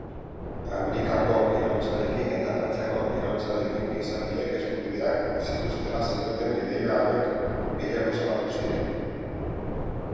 Amerikako Iraultzarekin eta Frantziako Iraultzarekin gizakiek eskubideak zituztela zioten ideia hauek gehiago zabaldu ziren.